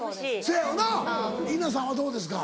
せやよな伊奈さんはどうですか？